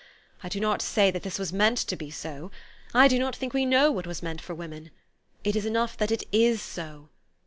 I do not say that this was meant to be so. I do not think we know what was meant for women. It is enough that it is so.